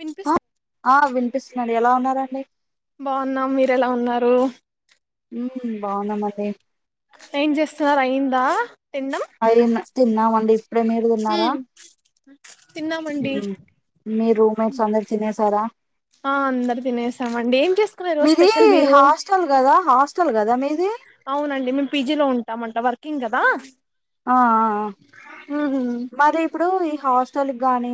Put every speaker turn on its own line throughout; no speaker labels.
వినిపిస్తు
ఆ వినిపిస్తున్నది. ఎలా ఉన్నారండి?
బాగున్నాం మీరెలా ఉన్నారు.
మ్ బాగున్నమండి.
ఏం చేస్తున్నారు? అయ్యిందా?
అయింది తిన్నామండి ఇప్పుడే. మీరు తిన్నారా?
హ్మ్ తిన్నామండి.
ఉమ్. మీ రూమ్మేట్స్ అందరు తినేసారా?
ఆ అందరు తినేసామండి. ఏం చేసుకున్నారు
మీది
స్పెషల్ మీరు?
హాస్టల్ కదా హాస్టల్ కదా మీది
అవునండి. మేము పీజీలో ఉంటామంట వర్కింగ్ కదా!
ఆ ఆ అ బాగ ఇప్పుడు ఈ హాస్టల్కిగానీ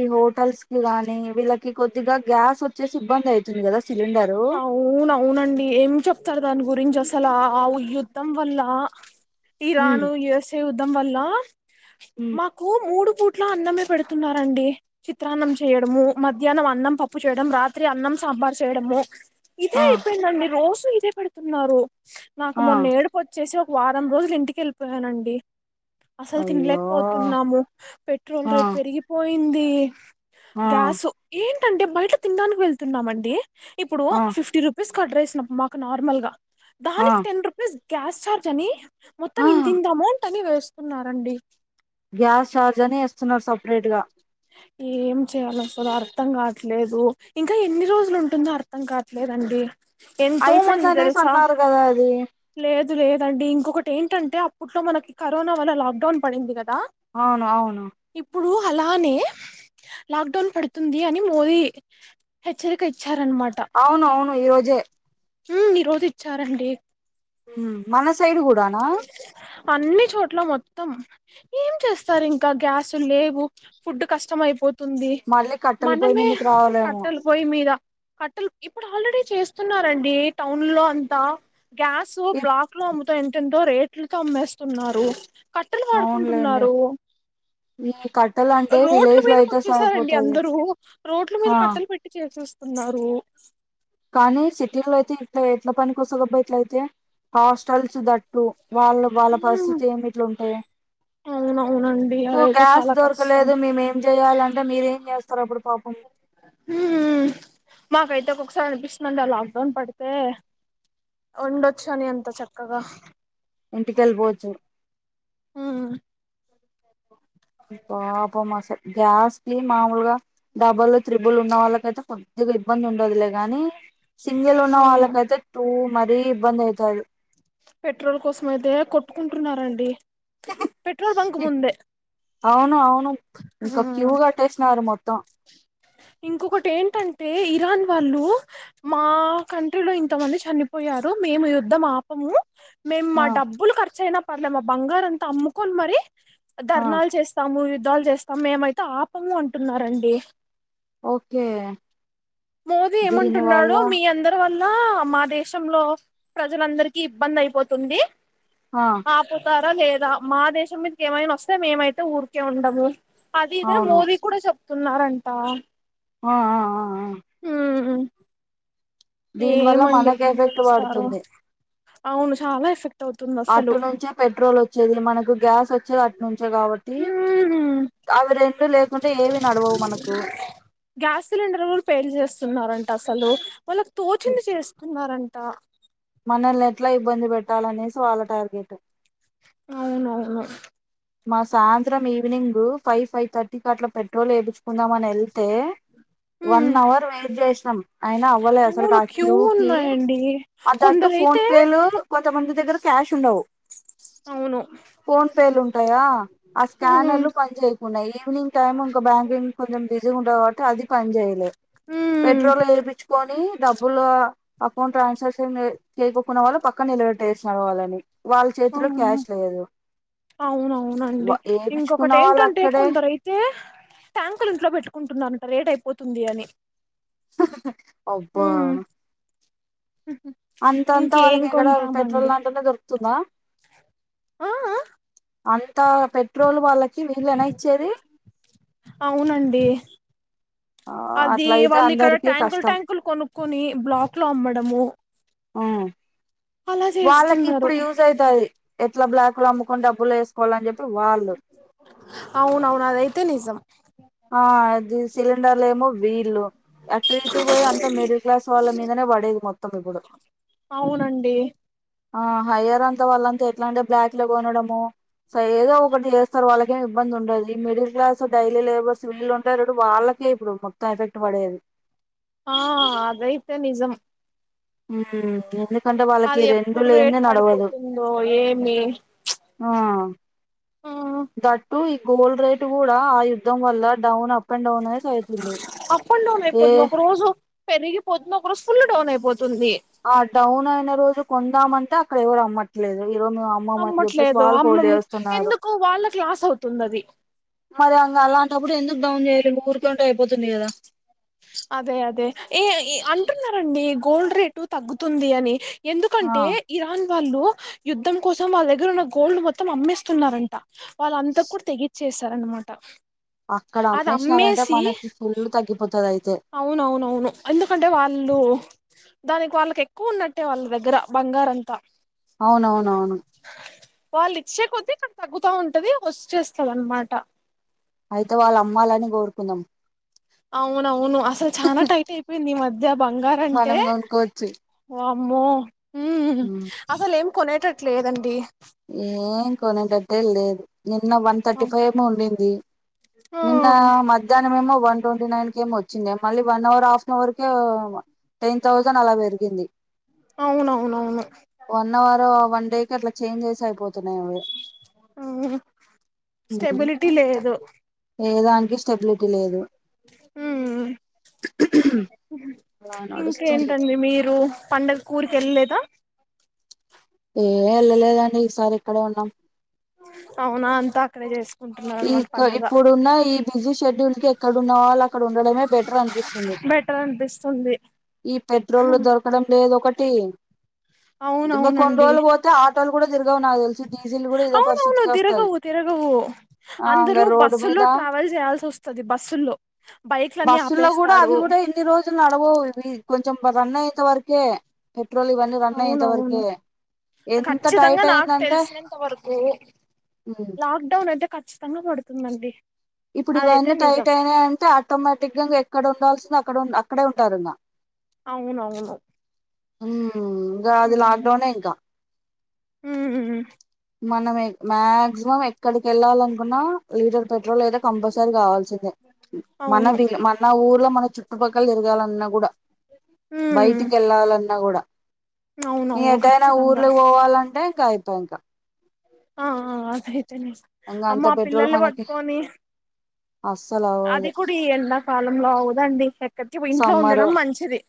ఈ హోటల్స్ కి గాని, వీళ్ళకి కొద్దిగా గ్యాస్ వచ్చేసి ఇబ్బంది అయితుంది కదా! సిలిండరు
అవునవునండి. ఏం చెప్తారు దాని గురించి అస్ లా ఆ యుద్ధం వల్ల
మ్మ్
ఇరాన్ యుఎస్ఏ యుద్ధం వల్ల,
మ్మ్
మాకు మూడు పుట్ల అన్నమే పెడుతున్నారండి. చిత్రాన్నం చేయడము, మధ్యాహ్నం అన్నం పప్పు చేయడం, రాత్రి అన్నం సాంబార్ చేయడము. ఇదే
ఆ
అయిపోయిందండి రోజూ ఇదే పెడుతున్నారు. నాకు
ఆ
మొన్న ఏడుపోచ్చేస వారం రోజులు ఇంటికెళ్ళిపోయానండి. అసల్
అయ్యో
తినలేకపోతున్నాము. పెట్రోల్
ఆ
రేట్ పెరిగిపోయింది.
ఆ
గ్యాస్ ఏంటంటే బయట తినడానికి వెళ్తున్నామండి. ఇప్పుడు,
ఆ
ఫిఫ్టీ రూపీస్ కర్డ్ రైస్ నప్ మాకు నార్మల్ గా
ఆ
దానికి టెన్ రూపీస్ గ్యాస్ ఛార్జ్ అని మొత్తం
ఆ
ఇంతింత అమౌంట్ అని వేస్తున్నారండి.
గ్యాస్ చార్జ్ అని ఏస్తున్నారు సపరేట్ గా.
ఏం చేయాలొ అస్సల్ అర్థం కావట్లేదు. ఇంకా ఎన్ని రోజులు ఉంటుందో అర్థం కావట్లేదండి. ఎంతో ఉంది
అయిపోయిందనేసి
తెలుసా!
అన్నారు కదా అది
లేదు. లేదండి ఇంకొకటి ఏంటంటే, అప్పట్లో మనకి కరోనా వల్ల లాక్ డౌన్ పడింది కదా!
అవును. అవును.
ఇప్పుడు అలానే, లాక్ డౌన్ పడుతుంది అని మోదీ హెచ్చరిక ఇచ్
అవును అవును ఈ రోజే.
మ్ ఈరోజిచ్చారండి.
హుమ్. మన సైడు కూడానా?
అన్ని చోట్ల మొత్తం. ఏం చేస్తారు ఇంకా గ్యాసుల్ లేవు ఫుడ్ కష్టమయిపో తుంది
మళ్ళీ కట్టెల పొయ్యి
మనమే
మీదకి రావాలేమో
కట్టలు పోయిమీద కట్టలు ఇప్పుడు ఆల్రెడీ చేస్తున్నరండి టౌన్ లో అంతా. గ్యాసు
ఈ-
బ్లాక్ లో అమ్ము ఎంతో రేట్లుతో అమ్మేస్తున్నారు. కట్టెలు
అవునులేండి
వాడుకుంటున్నారు.
ఈ కట్టెలు అంటే
రోడ్ల
విలేజ్ లో
మీదకి
అయితే
వచ్చేసారండి
సరిపోతది
అందరూ. రోడ్ల మీద
ఆ
కట్టలు పెట్టి చేసెస్ వోస్తున్నారు
కానీ సిటీలో అయితే ఇట్లా ఎట్ల పని కోస్తదబా ఇట్లయితే హాస్టల్స్ దట్ టు వాళ్ళ వాళ్ళ పరిస్థితి ఏమి ఇట్లుంటే
అవునవునండి
తో
అదైతే
క్యాస్
చాలా కష్టం
దొరకలేదు. మేమ్ ఏం చెయాలన్ అంటే మీరేం చేస్తారు అప్పుడు పాపం
హ్మ్ మాకైతే ఒకొక్కసారి అనిపిస్తుందండి. ఆ లాక్డౌన్ పడితే, ఉండొచ్చని అంత చక్కగా
ఇంటికెళ్ళిపోవచ్చు
ఆ
పాపం అసలు గ్యాస్ కి మామూలుగా డబుల్ త్రిబుల్ ఉన్న వాళ్ళకయితే కొద్దిగా ఇబ్బంది ఉండదులే గాని సింగిల్ ఉన్న
అవును
వాళ్ళకైతే టూ మరీ ఇబ్బంది అవుతుంది
పెట్రోల్ కోసం అయితే కొట్టుకుంటున్నారండి పెట్రోల్ బంక్ ముందే
అవును అవును
ఆ
ఇంకా క్యూ కట్టేసినారు మొత్తం
ఇంకొకటి ఏంటంటే ఇరాన్ వాళ్ళు మా కంట్రీలో ఇంతమంది చని పోయారు మేము యుద్ధం ఆపము మేము మా
ఆ
డబ్బులు ఖర్చు అయినా పర్లేము మా బంగారు అంతా అమ్ముకొని మరి
ఆ
ధర్నాలు చేస్తాము యుద్ధాలు చేస్తాము మేమైతే ఆపము అంటున్నారండి
ఓకే
మోదీ
దీని వల్ల
ఏమంటున్నాడు మీ అందరి వల్ల ఇలా మా దేశంలో ప్రజలందరికీ ఇబ్బంది అయిపోతుంది
ఆ
ఆపుతారా లేదా మా దేశం మీద ఏమైనా వస్తే మేమైతే ఊరికే ఉండము అది ఇదే
అవును
మోదీ కూడా చెప్తున్నారంట
ఆ ఆ ఆ ఆ
అ
దీని వల్ల
ఏమండి
మనకి
ఏం
ఎఫెక్ట్
చేస్తారు
పడుతుంది
అవును చాలా ఎఫెక్ట్ అవుతుంది అసలు
అటు నుంచే పెట్రోల్ వచ్చేది మనకు గ్యాస్ వచ్చేది అట్ నుంచే కాబట్టి
మ్మ్.
అవి రెం
గ్యాస్ సిలిండర్ వా పేరు చేస్తున్నారుంటే అసలు వాళ్ళకు తోచింది చేస్తుకున్నారంట
మనల్ని ఎట్లా ఇబ్బంది పెట్టాలనేసి వాళ్ళ టార్గెట్
అవునవును
మా సాయంత్రం ఈవినింగ్ ఫైవ్ ఫైవ్ థర్టీకి అట్లా పెట్రోల్ వేయిచుకుందాం అని వెళ్తే వన్
మ్మ్.
అవర్ వెయిట్ చేసాం అయినా అవ్వలే అసలుకి
అవును
ఆ క్యూ కి
ఉన్నాయండి
అది అట్టు ఫోన్
కొందరైతే
పేలు కొంత మంది దగ్గర క్యాష్ ఉండవు
అవును
ఫోన్ పేలు ఉంటాయా ఆ
మ్మ్.
స్కానర్లు పని చేయకుయి ఈవినింగ్ టైమ్ం బ్యా కొంచెం బిజీ ఉట్టి అది పనిచేయలే
మ్మ్.
పెట్రోలు ఏపిచ్చుకొని డబ్బులు అకౌంట్ ట్రాన్సాక్షన్ చేయకకున్న వాళ్ళు పక్కన నిలబెట్టేసిన వాళ్ళని వాళ్ళ చేతిలో
అవును
క్యాష్ లేదు వ
అవునవునండి
ఏపిచ్చుకున్న
ఇంకొకటి
వాళ్ళు
ఏంటంటే
అక్కడే
కొందరు అయితే ట్యాంకుర్ ఇంట్లో పెట్టుకుంటున్నంట రేట్ అయిపోతుంది అని
అబ్బా
మ్మ్.
అంతంతా
ఇంకేం
వాళ్ళకి ఎక్కడ పెట్రోల్
కొంటామండి
దంటనే దొరుకుతుందా
ఆ ఆ
అంత పెట్రోల్ వాళ్ళకి వీళ్ళేనా ఇచ్చేది.
అవునండి
ఆ
అది
అట్లా అయితే
వాళ్ళు ఇక్కడ
అందరికి
ట్యాంకులు
కష్టం
ట్యాంకులు కొనుక్కొని బ్లాక్ లో అమ్మడము
ఆ
అలా
వాళ్ళకి
చేస్తున్నారు
ఇప్పుడు యూజ్ అవుతాయి ఎట్లా బ్లాక్లు అమ్ముకొని డబ్బులు వేసుకోవాలని చెప్పి వాళ్ళు
అవున అవును అదైతే నిజం
ఆ అది సిలిండర్లు ఏమో వీల్లు అటు ఇటు పోయి అంత మిడిల్ క్లాస్ వాళ్ళ మీదనే పడేది మొత్తం ఇప్పుడు
అవునండి
ఆ హయ్యర్ అంతా వాళ్ళంతా ఎట్లా అంటే బ్లాక్ లో కొనడము స ఏదో ఒకటి చేస్తారు వాళ్ళకే ఇబ్బంది ఉండదు ఈ మడిల్ కలాస్ డైలీ లేబర్ల్స్ వల్ు ఉంటారు వాళ్ళకే ఇప్పుడు మొత్తం ఎఫెక్ట్ పడేది
ఆ అదైతే నిజం
అ అంటే వాళ్ళకి
అది
రెండు
ఎప్పుడు
లేని
రేట్
నడవదు
పడిపోతుందో ఏమి
ఆ
ఆ
దట్టు ఈ గోల్డ్ రేటు కూడా ఆ యుద్ధం వల్ల డౌన్ అండ్ డౌన్ అనేసి అవుతుంది
అప్ అండ్ డౌన్
ఏ
అయిపోతుంది ఒక రోజు పెరిగిపోతుంది ఒక రోజు ఫుల్ డౌన్ అయిపోతుం
ఆ డౌన్ అయిన రోజు కొందామంటే అక్కడ ఎవరు అమ్మట్లేదు. ఇగో మీ అమ్మమ్మని చెప్పేసి
అమ్మట్లేదు
బాగా ఫోన్లు
అమ్మము
చెస్తున్నారు
ఎందుకు వాళ్ళకి లాస్ అవుతుంది అది
మరి అలాంటప్పుడు ఎందుకు డౌన్ చేయడం ఊరికెళ్తే అయిపోతుంది కదా
అదే అదే ఏ అంటున్నారండి గోల్డ్ రేటు తగ్గుతుంది అని ఎందుకంటే
ఆ
ఇరాన్ వాళ్ళు యుద్ధం కోసం వాళ్ళ దగ్గర ఉన్న గోల్డ్ మొత్తం అమ్మేస్తున్నారంట వాళ్ళ అంతా కుడా తెగిచ్చర్ చేస్తారనమాట
అక్కడ అమ్మేషినారంటే మనకి ఫుల్లు తగ్గిపోతాయి.
అవునవునవును ఎందుకంటే వాళ్ళు దానికి వాళ్ళకెక్కువ ఉన్నట్టు వాళ్ళ దగ్గర బంగారంతా
అవునవునవును
వచ్చే కొద్ది ఇక్కడ తగ్గుతా ఉంటది వచ్చేస్తది అన్మాట
అయితే వాళ్ళ అమ్మాలని కోరుకుందం
అవునవును అసల్ చనా టైట్ అయిపోయింది ఈ మధ్య బంగారంటే
మనం కొనుక్కోవచ్చు
వామ్మో హ్మ్ అసలు ఏం కొనేటట్లు లేదండి.
కొనటట్టే లేదు నిన్న వన్ థర్టీ ఫైవ్ ఏమో వండింది
ఆ
నిన్న మధ్యాహ్నం వన్ ట్వంటీ నైన్ కెమో వచ్చింది మళ్ళీ వన్ అవర్ ఆఫెన్ అవర్ కు టెన్ థౌజండ్ అలా పెరిగింది
అవునవునవును
వన్ అవర్ వన్ డే కి అట్లా చేంజ్ చేస్ అయిపో అ
మ్మ్ స్టెబిలిటీ లేదు
ఏ దానికి స్టెబిలిటీ లేదు
మ్మ్
అలా నడుస్తుంది
ఇంకేంటండి మీరు పండక్కి ఊరికి ఎళ్ళలేదా
ఏ ఎళ్ళలేదండి ఈసారి ఇక్కడే ఉన్నాం
అవునా అంతా అక్కడే చేస్
ఇ ఇంక ఇప్పుడున్న ఈ పోసిషన్ దీనికి ఎక్కడ ఉన్నవాళ్ళు అక్కడ ఉండడమే బెటర్ అనిపిస్తుంది.
బెటర్ అనిపిస్తుంది
ఈ పెట్రోల్ దొరకడం లేదు ఒకటి ఇంక కొన్ని
అవునవునండి
రోలు పోతే ఆటోలు కూడా తిరగవు నాకు తెలిసి డీజిల్ కూడా ఇదే
అవునవును
పరిస్థితికి వస్తది
తిరగవు తిరగవు
ఆ ఇంగ
అందరు
రోడ్డు
బస్సుల్లో
మీద
ట్రావెల్ చేయా వెళ్లాల్సి వస్తది బస్సుల్లో బైక్లన్నీ
బస్సుల్లో కూడా అవి
ఆపేస్తారు
కూడా ఇన్ని రోజులు నడవవు ఇవి కొంచెం రన్ అయేంత వరకే పెట్రోల్ ఇవన్నీ రన్ అయ్యేంత
అవునవును
వరకే ఎంత
ఖచ్చితంగా
టైట్
నాకు
అయిందంటే
తెలిసినంత వరకు లాక్డౌన్ అయితే ఖచ్చితంగా పడుతుందండి
ఇప్పుడు
అదైతే
ఇవన్నీ టైట్
నిజం
అయినాయి అంటే ఆటోమేటిక్గా ఎక్కడ ఉండాల్సిన అక్కడ అక్కడే ఉంటారుంగా
అవునవును
హ్మ్మ్ ఇంగా అది లాక్డౌనే ఇంకా
హ
మనమే మాక్సిమం ఎక్కడికి వెళ్ళాలనుకున్నా లీటర్ పెట్రోల్ అయితే కంపల్సరీ కావాల్సిందే
అవును
మనవి మన ఊర్లో మన చుట్టుపక్కల తిరగాలన్నా కుడా
ఉమ్
బయటికి ఎళ్లాలన్నా కుడా ఇగ
అవునవును
ఎటైనా
ఖచ్చితంగా
ఊర్లకు పోవాలంటే ఇంకా కయితే ఇంక
ఆ ఆ అదయితేనే
ఇంకా
అమ్మ
అంత
ఆ
పెట్రోల్
పిల్లల్ని
మనకి
పట్టుకొని
అస్సలు
అది
అవ్వదు
కూడా ఈ ఎండాకాలంలో అవుదండి ఎక్కడికి ఇంట్లో
సమ్మర్
ఉండడం మంచిది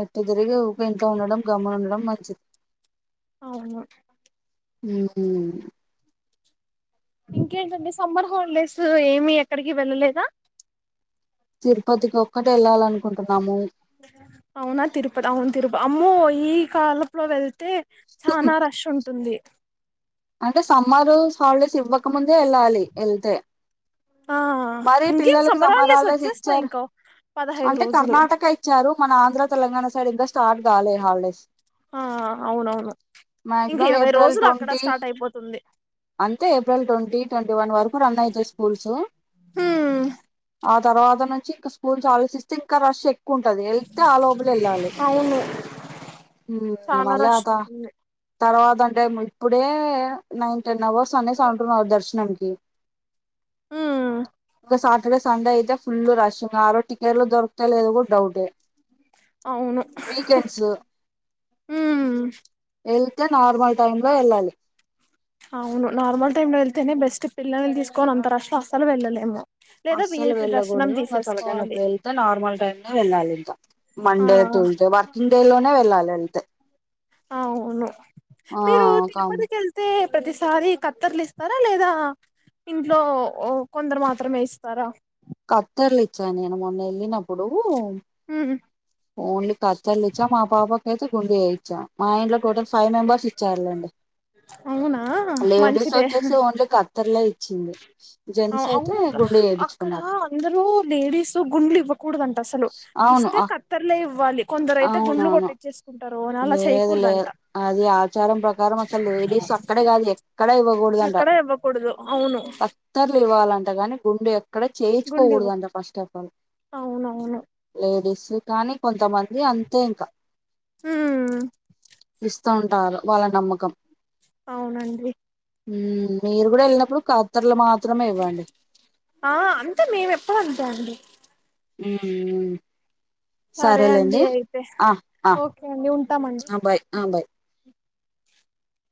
ఎట్టు తిరిగి ఊకే ఇంట్లో ఉండడం గమున ఉండడం మంచిది
అవును
హ్మ్ ఉహ్మ్
ఇంకేంటండి సమ్మర్ హాలిడేసు ఏమి ఎక్కడికి వెళ్ళలేదా
తిరుపతికి ఒక్కటే ఏళ్ళాలను
అవునా తిరుపత అవును తిరుప అమ్మో ఈ కాలపులో వెళ్ తే చనా రష్ ఉంటుంది
అంటే సమ్మరు హాలిడేస్ ఇవ్వకముందే ఏళ్ళాలి ఏళ్తే
ఆ
మరీ
ఇంకేం
పిల్లలకు సమ్మర్ హాలిడేస్
వచ్చేస్తాయి
ఇచ్చారు
ఇంకో పదహైదు
అంటే
రోజులు
కర్ణాటక ఇచ్చారు మన ఆంధ్ర తెలంగాణ సైడ్ ఇంకా స్టార్ట్ కొలే హాల్డేస్
ఆ అవునవును ఇంక
మాక్సిమం
ఇరవై
ఏప్రిల్
రోజులు అక్కడ
ట్వంటీ
స్టార్ట్ అయిపోతుంది
అంతే ఏప్రిల్ ట్వంటీ ట్వంటీ వన్ వర కు రన్ అవుతాయ్ స్కూల్స్
ఉమ్
అ తర్వాత నుంచి ఇంకా స్కూల్స్ ఆలోచిస్తే ఇంకా రష్ ఎక్కువ ఉంటది ఏళ్తే ఆ లోపలే ఏళ్ళాలి
అవును
హ్మ్ ఇంక
చానా
మళ్లీ ఆ
రష్
త
ఉంటుంది
తర్వాతం టే ఇప్పుడే నైన్ టెన్ అవర్స్ అనేసి అంటున్నారు దర్శనంకి
హ్మ్
ఇంకా సాటర్డే సండే అయితే ఫుల్లు రష్ ఇంగ ఆరోజు టికెట్లు దొరుకుతాయో లేదో కూడా డౌటే
అవును
వీకెండ్స్
ఉహ్మ్
తే నార్మల్ టైమ్లో ఏళ్ళాలి
అవును నార్మల్ టైమ్లో ఎళ్తేనే బెస్ట్ పిల్లల్ని తీసుకొని అంత రష్లో అస్సలు వెళ్ళలేము లేదా
అస్సలు
విఐపి దర్శనం
వెళ్ళకూడదు ఇంక తలకాయ నొప్పి
తీసేసుకోవాలి
వెళ్తే నార్మల్ టైమ్‌లో వెళ్ళాలి ఇంకా
ఆ
Monday two Tuesday working day లోనే వెళ్ళాలి ఎళ్తే
అవును మీరు తిరుపతికెళ్తే ప్రతిసారి కత్తెర్లు ఇస్తారా లేదా ఇంట్లో కొందరు మాత్రమే ఇస్తారా
కత్తెర్లిచ్చా నేను మొన్న ఎళ్ళినప్పుడు ఓన్లీ కత్తెర్లిచ్చా మా పాపకైతే గుండు చేయిచ్చా మా ఇంట్లో టోటల్ ఫైవ్ మెంబేర్స్ ఇచ్చారులేండి
అవునా
లేడీస్
మంచిదే
వచ్చేసి ఓన్లీ కత్తేర్లే ఇచ్చింది జెంట్స్ అయితే
అవును
గుండు
అక్కడ
చేయించుకున్నారు
అందరూ లేడీసూ గుండ్లు ఇవ్వకూడదంట అసలు
అవును
ఇస్తే కత్తేర్ లే ఇవ్వాలి కొందరైతే గుండ్లు
అవునవును
కొట్టిచేసుకుంటారు అని అలా
లేదు
చేయకూడదంట
లేదు అది ఆచారం ప్రకారం అసలు లేడీస్ అక్కడే కాదు ఎక్కడ ఇవ్వకూడదంట
ఎక్కడ ఇవ్వకూడదు అవును
కత్తెర్లు ఇవ్వాలంట గాని గుండు ఎ క్కడ
గుండు
చేయిచుకోకూడదు
ఇవ్వకు
అంట ఫస్ట్ ఆఫ్ ఆల్
అవునవును
లేడీస్ కానీ కొంతమం అది అంతే ఇంకా
ఉమ్
ఇస్తాఉంటారు వాళ్ళ నమ్మకం
అవునండీ
హ్మ్ మీరు కూడా ఎళ్ళినప్పుడు కాద్
ఆ అంతే మేము ఎప్పుడు అంతే అండి
హ్మ్ ఊహ్మ్
సరే అండి అయితే ఓకే అండి ఉంటామండి
ఆ బాయ్ ఆ బాయ్